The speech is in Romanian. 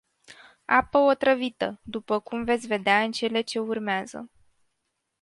Apă otrăvită, după cum veți vedea în cele ce urmează.